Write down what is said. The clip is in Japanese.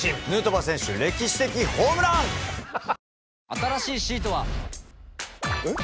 新しいシートは。えっ？